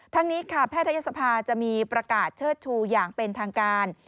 ทั้งนี้ค่ะแพทยศภาจะมีประกาศเชิดชูอย่างเป็นทางการ